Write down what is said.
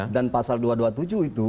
dan pasal dua ratus dua puluh tujuh itu